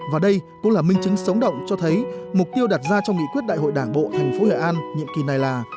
và đây cũng là minh chứng sống động cho thấy mục tiêu đặt ra trong nghị quyết đại hội đảng bộ thành phố hội an nhiệm kỳ này là